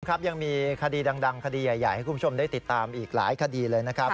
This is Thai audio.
ครับยังมีคดีดังคดีใหญ่ให้คุณผู้ชมได้ติดตามอีกหลายคดีเลยนะครับ